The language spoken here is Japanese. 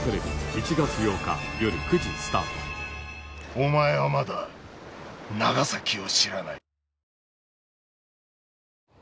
お前はまだ長崎を知らない。